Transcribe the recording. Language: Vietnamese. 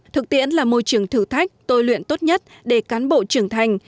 thực tiễn là môi trường thử thách tôi luyện tốt nhất để cán bộ trưởng thành